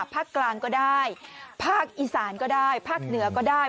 ภาคกลางก็ได้ภาคอีสานก็ได้ภาคเหนือก็ได้